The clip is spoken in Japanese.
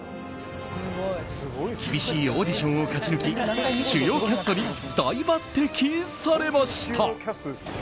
厳しいオーディションを勝ち抜き主要キャストに大抜擢されました。